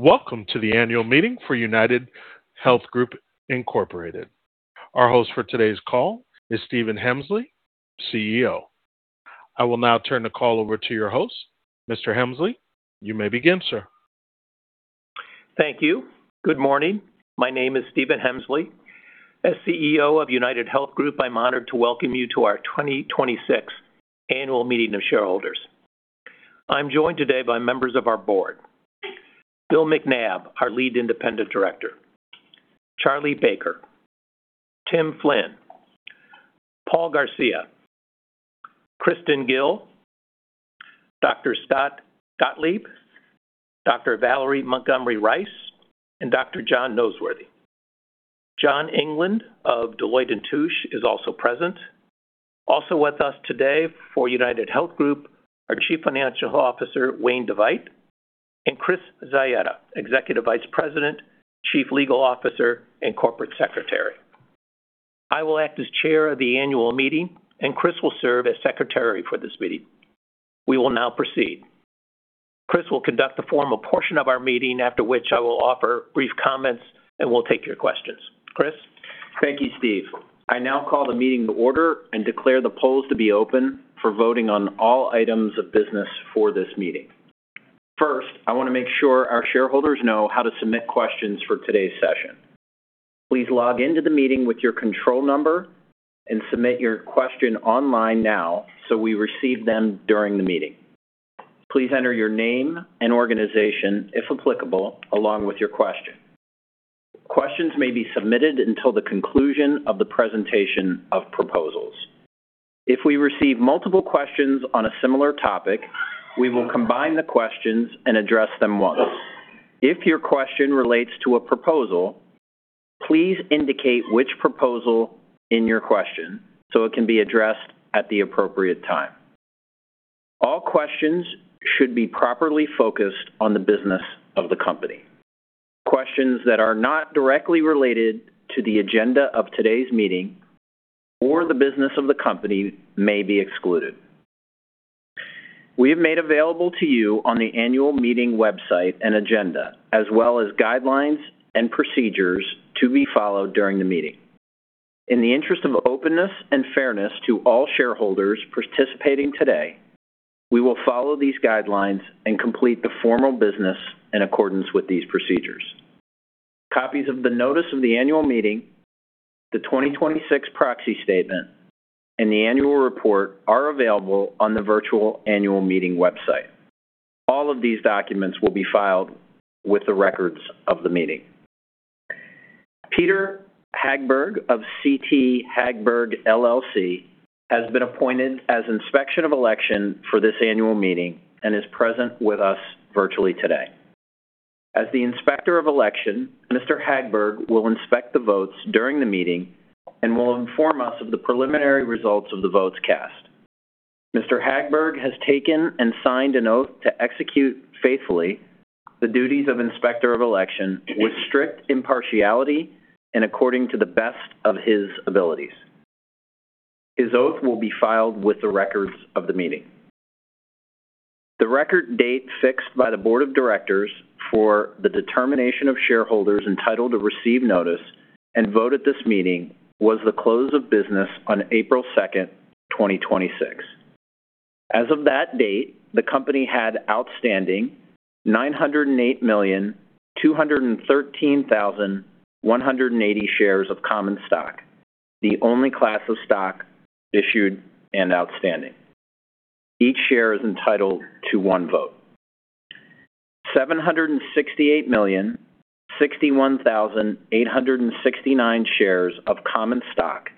Welcome to the annual meeting for UnitedHealth Group Incorporated. Our host for today's call is Stephen Hemsley, CEO. I will now turn the call over to your host. Mr. Hemsley, you may begin, sir. Thank you. Good morning. My name is Stephen Hemsley. As CEO of UnitedHealth Group, I'm honored to welcome you to our 2026 Annual Meeting of Shareholders. I'm joined today by members of our board. Bill McNabb, our Lead Independent Director, Charles Baker, Tim Flynn, Paul Garcia, Kristen Gil, Dr. Scott Gottlieb, Dr. Valerie Montgomery Rice, and Dr. John Noseworthy. John England of Deloitte & Touche is also present. Also with us today for UnitedHealth Group, our Chief Financial Officer, Wayne DeVeydt, and Chris Zaetta, Executive Vice President, Chief Legal Officer, and Corporate Secretary. I will act as chair of the annual meeting, and Chris will serve as secretary for this meeting. We will now proceed. Chris will conduct the formal portion of our meeting, after which I will offer brief comments, and we'll take your questions. Chris? Thank you, Steve. I now call the meeting to order and declare the polls to be open for voting on all items of business for this meeting. First, I want to make sure our shareholders know how to submit questions for today's session. Please log in to the meeting with your control number and submit your question online now so we receive them during the meeting. Please enter your name and organization, if applicable, along with your question. Questions may be submitted until the conclusion of the presentation of proposals. If we receive multiple questions on a similar topic, we will combine the questions and address them once. If your question relates to a proposal, please indicate which proposal in your question so it can be addressed at the appropriate time. All questions should be properly focused on the business of the company. Questions that are not directly related to the agenda of today's meeting or the business of the company may be excluded. We have made available to you on the annual meeting website an agenda, as well as guidelines and procedures to be followed during the meeting. In the interest of openness and fairness to all shareholders participating today, we will follow these guidelines and complete the formal business in accordance with these procedures. Copies of the notice of the annual meeting, the 2026 proxy statement, and the annual report are available on the virtual annual meeting website. All of these documents will be filed with the records of the meeting. Peder Hagberg of CT Hagberg LLC has been appointed as Inspector of Election for this annual meeting and is present with us virtually today. As the Inspector of Election, Mr. Hagberg will inspect the votes during the meeting and will inform us of the preliminary results of the votes cast. Mr. Hagberg has taken and signed an oath to execute faithfully the duties of Inspector of Election with strict impartiality and according to the best of his abilities. His oath will be filed with the records of the meeting. The record date fixed by the board of directors for the determination of shareholders entitled to receive notice and vote at this meeting was the close of business on April 2nd, 2026. As of that date, the company had outstanding 908,213,180 shares of common stock, the only class of stock issued and outstanding. Each share is entitled to one vote. 768,061,869 shares of common stock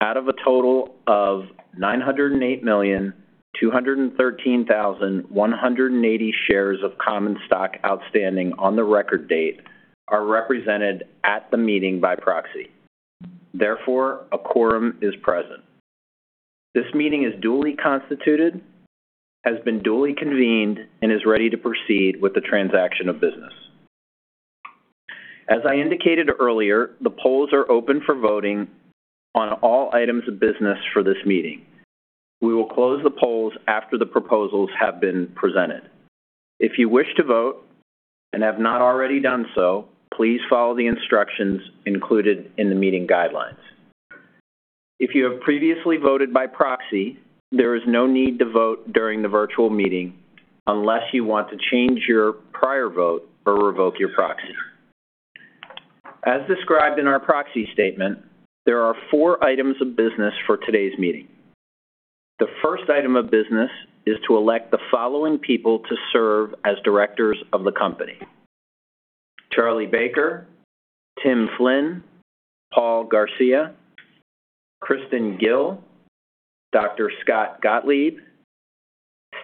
out of a total of 908,213,180 shares of common stock outstanding on the record date are represented at the meeting by proxy. Therefore, a quorum is present. This meeting is duly constituted, has been duly convened, and is ready to proceed with the transaction of business. As I indicated earlier, the polls are open for voting on all items of business for this meeting. We will close the polls after the proposals have been presented. If you wish to vote and have not already done so, please follow the instructions included in the meeting guidelines. If you have previously voted by proxy, there is no need to vote during the virtual meeting unless you want to change your prior vote or revoke your proxy. As described in our proxy statement, there are four items of business for today's meeting. The first item of business is to elect the following people to serve as directors of the company: Charles Baker, Tim Flynn, Paul Garcia, Kristen Gil, Dr. Scott Gottlieb,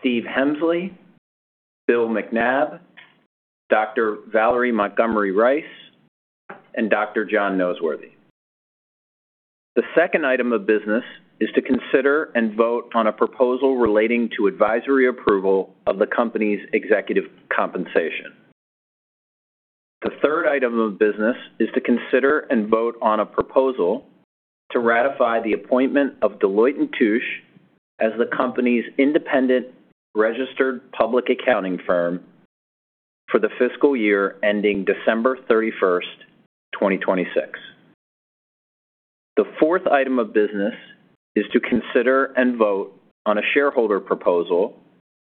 Steve Hemsley, Bill McNabb, Dr. Valerie Montgomery Rice, and Dr. John Noseworthy. The second item of business is to consider and vote on a proposal relating to advisory approval of the company's executive compensation. The third item of business is to consider and vote on a proposal to ratify the appointment of Deloitte & Touche as the company's independent registered public accounting firm for the fiscal year ending December 31st, 2026. The fourth item of business is to consider and vote on a shareholder proposal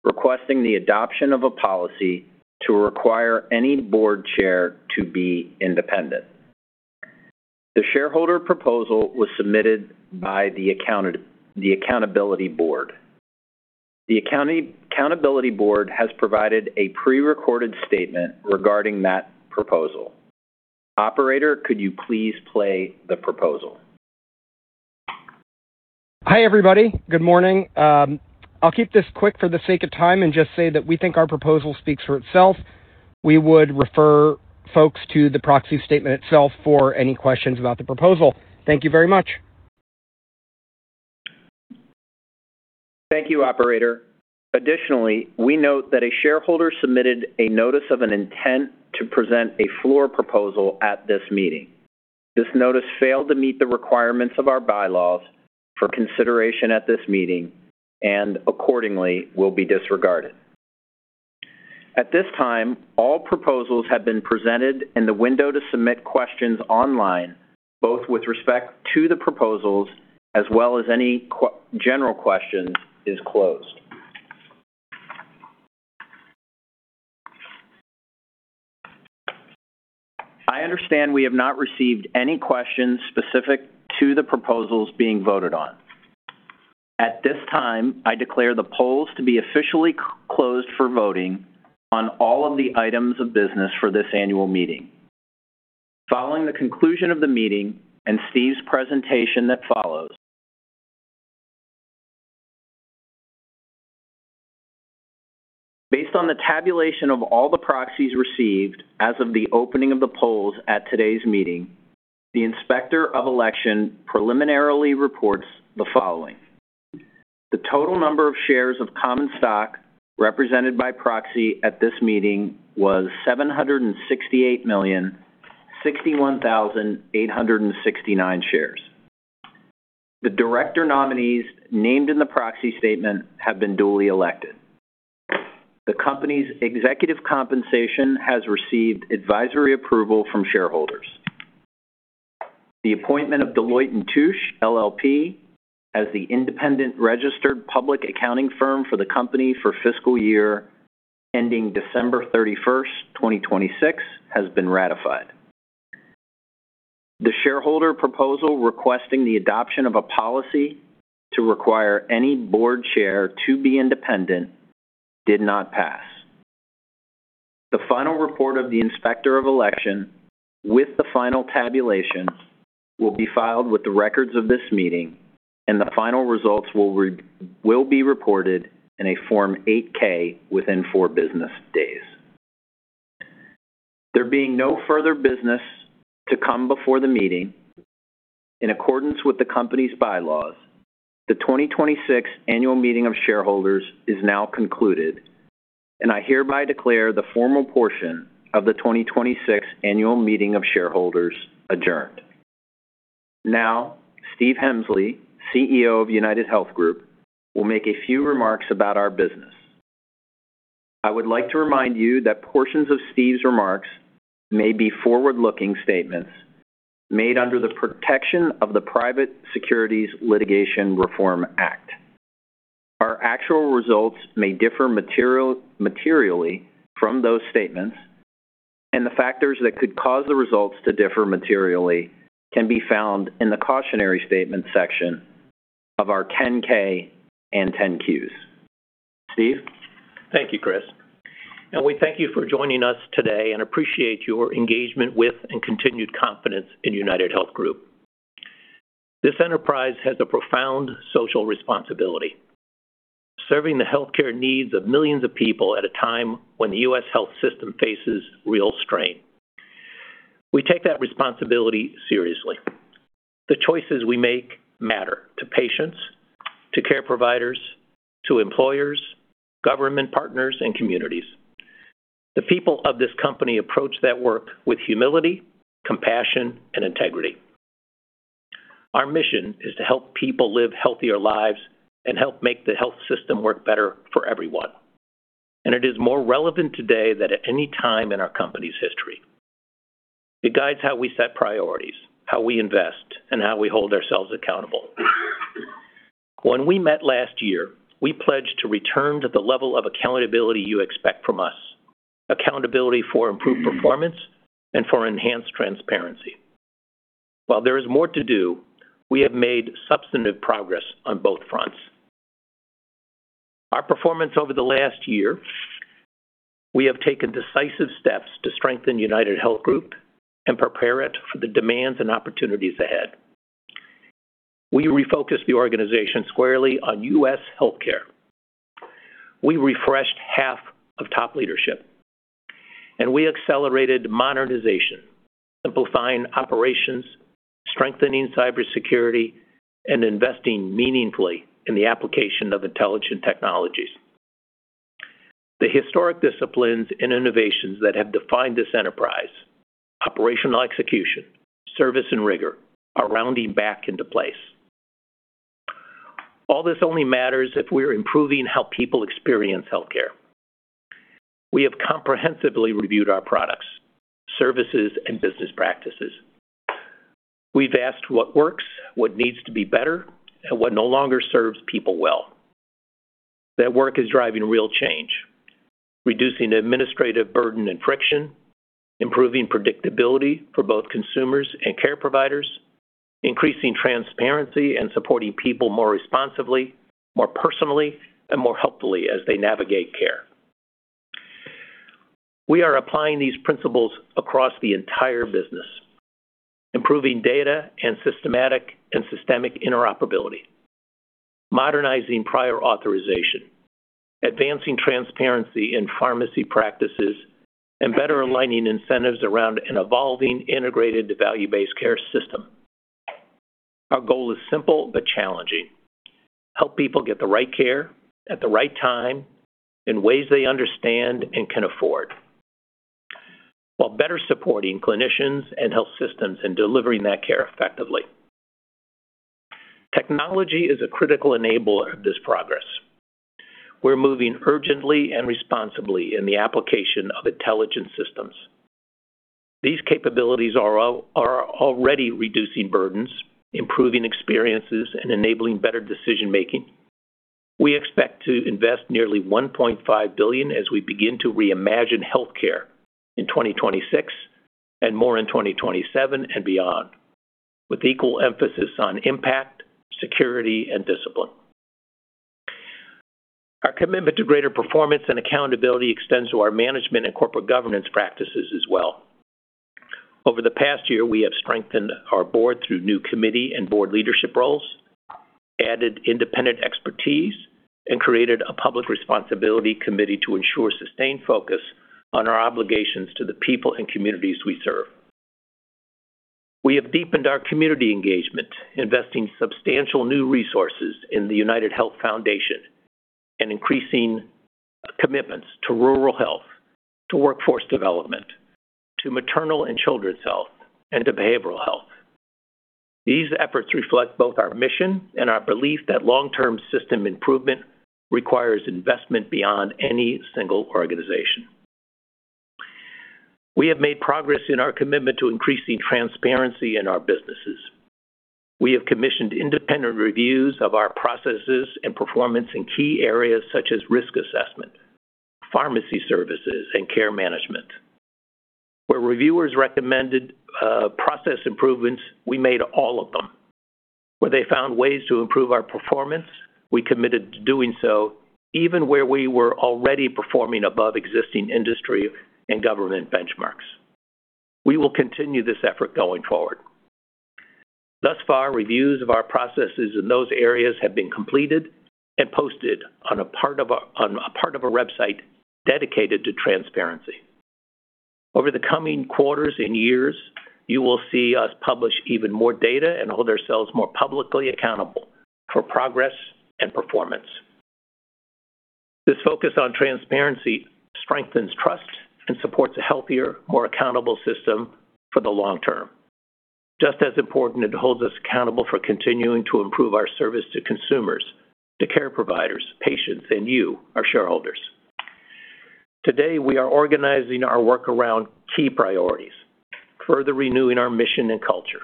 requesting the adoption of a policy to require any board chair to be independent. The shareholder proposal was submitted by The Accountability Board. The Accountability Board has provided a pre-recorded statement regarding that proposal. Operator, could you please play the proposal? Hi, everybody. Good morning. I'll keep this quick for the sake of time and just say that we think our proposal speaks for itself. We would refer folks to the proxy statement itself for any questions about the proposal. Thank you very much. Thank you, operator. Additionally, we note that a shareholder submitted a notice of an intent to present a floor proposal at this meeting. This notice failed to meet the requirements of our bylaws for consideration at this meeting and accordingly will be disregarded. At this time, all proposals have been presented, and the window to submit questions online, both with respect to the proposals as well as any general questions, is closed. I understand we have not received any questions specific to the proposals being voted on. At this time, I declare the polls to be officially closed for voting on all of the items of business for this annual meeting. Following the conclusion of the meeting and Steve's presentation that follows. Based on the tabulation of all the proxies received as of the opening of the polls at today's meeting, the Inspector of Election preliminarily reports the following. The total number of shares of common stock represented by proxy at this meeting was 768,061,869 shares. The director nominees named in the proxy statement have been duly elected. The company's executive compensation has received advisory approval from shareholders. The appointment of Deloitte & Touche LLP as the independent registered public accounting firm for the company for fiscal year ending December 31, 2026, has been ratified. The shareholder proposal requesting the adoption of a policy to require any board chair to be independent did not pass. The final report of the Inspector of Election with the final tabulation will be filed with the records of this meeting, and the final results will be reported in a Form 8-K within four business days. There being no further business to come before the meeting, in accordance with the company's bylaws, the 2026 Annual Meeting of Shareholders is now concluded, and I hereby declare the formal portion of the 2026 Annual Meeting of Shareholders adjourned. Steve Hemsley, CEO of UnitedHealth Group, will make a few remarks about our business. I would like to remind you that portions of Steve's remarks may be forward-looking statements made under the protection of the Private Securities Litigation Reform Act. Our actual results may differ materially from those statements. The factors that could cause the results to differ materially can be found in the Cautionary Statement section of our 10-K and 10-Qs. Steve? Thank you, Chris. We thank you for joining us today and appreciate your engagement with and continued confidence in UnitedHealth Group. This enterprise has a profound social responsibility, serving the healthcare needs of millions of people at a time when the U.S. health system faces real strain. We take that responsibility seriously. The choices we make matter to patients, to care providers, to employers, government partners, and communities. The people of this company approach that work with humility, compassion, and integrity. Our mission is to help people live healthier lives and help make the health system work better for everyone. It is more relevant today than at any time in our company's history. It guides how we set priorities, how we invest, and how we hold ourselves accountable. When we met last year, we pledged to return to the level of accountability you expect from us, accountability for improved performance and for enhanced transparency. While there is more to do, we have made substantive progress on both fronts. Our performance over the last year, we have taken decisive steps to strengthen UnitedHealth Group and prepare it for the demands and opportunities ahead. We refocused the organization squarely on U.S. healthcare. We refreshed half of top leadership, and we accelerated modernization, simplifying operations, strengthening cybersecurity, and investing meaningfully in the application of intelligent technologies. The historic disciplines and innovations that have defined this enterprise, operational execution, service, and rigor, are rounding back into place. All this only matters if we're improving how people experience healthcare. We have comprehensively reviewed our products, services, and business practices. We've asked what works, what needs to be better, and what no longer serves people well. That work is driving real change, reducing administrative burden and friction, improving predictability for both consumers and care providers, increasing transparency, and supporting people more responsively, more personally, and more helpfully as they navigate care. We are applying these principles across the entire business, improving data and systemic interoperability, modernizing prior authorization, advancing transparency in pharmacy practices, and better aligning incentives around an evolving integrated value-based care system. Our goal is simple but challenging: help people get the right care at the right time in ways they understand and can afford, while better supporting clinicians and health systems in delivering that care effectively. Technology is a critical enabler of this progress. We're moving urgently and responsibly in the application of intelligent systems. These capabilities are already reducing burdens, improving experiences, and enabling better decision-making. We expect to invest nearly $1.5 billion as we begin to reimagine healthcare in 2026, and more in 2027 and beyond, with equal emphasis on impact, security, and discipline. Our commitment to greater performance and accountability extends to our management and corporate governance practices as well. Over the past year, we have strengthened our board through new committee and board leadership roles, added independent expertise, and created a public responsibility committee to ensure sustained focus on our obligations to the people and communities we serve. We have deepened our community engagement, investing substantial new resources in the United Health Foundation and increasing commitments to rural health, to workforce development, to maternal and children's health, and to behavioral health. These efforts reflect both our mission and our belief that long-term system improvement requires investment beyond any single organization. We have made progress in our commitment to increasing transparency in our businesses. We have commissioned independent reviews of our processes and performance in key areas such as risk assessment, pharmacy services, and care management. Where reviewers recommended process improvements, we made all of them. Where they found ways to improve our performance, we committed to doing so, even where we were already performing above existing industry and government benchmarks. We will continue this effort going forward. Thus far, reviews of our processes in those areas have been completed and posted on a part of our website dedicated to transparency. Over the coming quarters and years, you will see us publish even more data and hold ourselves more publicly accountable for progress and performance. This focus on transparency strengthens trust and supports a healthier, more accountable system for the long term. Just as important, it holds us accountable for continuing to improve our service to consumers, to care providers, patients, and you, our shareholders. Today, we are organizing our work around key priorities, further renewing our mission and culture,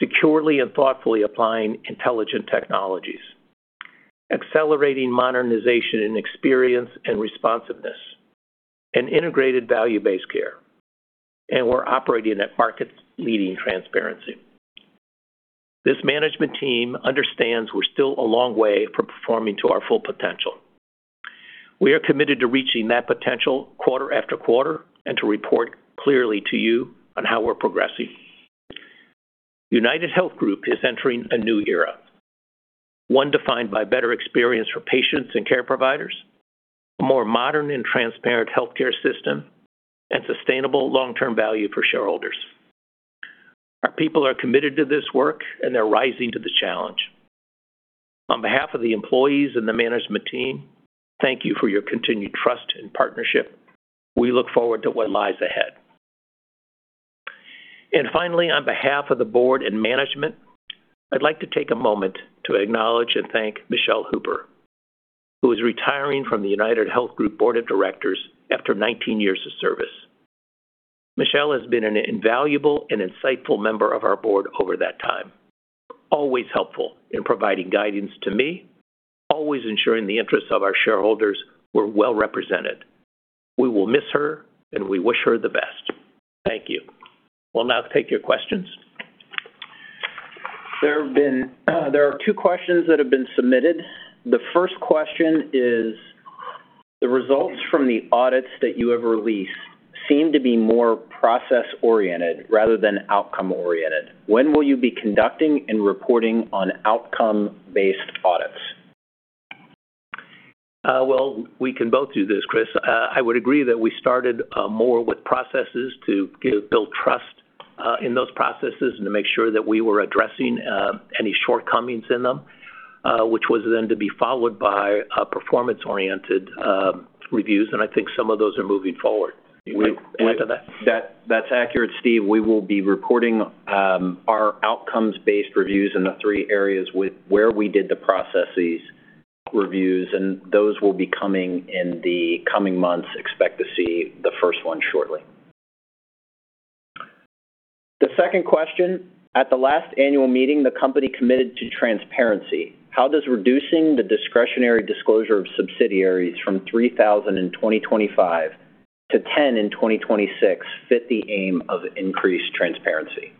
securely and thoughtfully applying intelligent technologies, accelerating modernization and experience and responsiveness, and integrated value-based care. We're operating at market-leading transparency. This management team understands we're still a long way from performing to our full potential. We are committed to reaching that potential quarter after quarter, and to report clearly to you on how we're progressing. UnitedHealth Group is entering a new era, one defined by better experience for patients and care providers, a more modern and transparent healthcare system, and sustainable long-term value for shareholders. Our people are committed to this work, and they're rising to the challenge. On behalf of the employees and the management team, thank you for your continued trust and partnership. We look forward to what lies ahead. Finally, on behalf of the board and management, I'd like to take a moment to acknowledge and thank Michele Hooper, who is retiring from the UnitedHealth Group Board of Directors after 19 years of service. Michele has been an invaluable and insightful member of our board over that time, always helpful in providing guidance to me, always ensuring the interests of our shareholders were well represented. We will miss her, and we wish her the best. Thank you. We'll now take your questions. There are two questions that have been submitted. The first question is, "The results from the audits that you have released seem to be more process-oriented rather than outcome-oriented. When will you be conducting and reporting on outcome-based audits? Well, we can both do this, Chris. I would agree that we started more with processes to build trust in those processes and to make sure that we were addressing any shortcomings in them, which was then to be followed by performance-oriented reviews, and I think some of those are moving forward. You can add to that. That's accurate, Steve. We will be reporting our outcomes-based reviews in the three areas where we did the processes reviews, and those will be coming in the coming months. Expect to see the first one shortly. The second question. At the last annual meeting, the company committed to transparency. How does reducing the discretionary disclosure of subsidiaries from 3,000 in 2025 to 10 in 2026 fit the aim of increased transparency?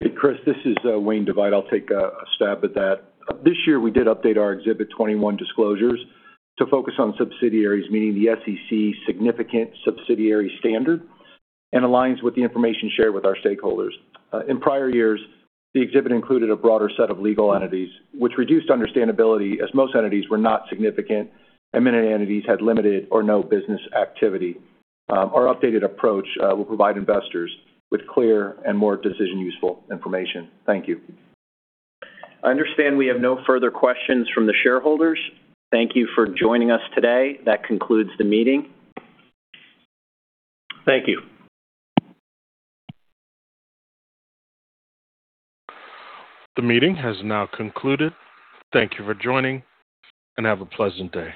Hey, Chris, this is Wayne DeVeydt. I'll take a stab at that. This year, we did update our Exhibit 21 disclosures to focus on subsidiaries, meeting the SEC significant subsidiary standard, and aligns with the information shared with our stakeholders. In prior years, the exhibit included a broader set of legal entities, which reduced understandability as most entities were not significant, and many entities had limited or no business activity. Our updated approach will provide investors with clear and more decision-useful information. Thank you. I understand we have no further questions from the shareholders. Thank you for joining us today. That concludes the meeting. Thank you. The meeting has now concluded. Thank you for joining, and have a pleasant day.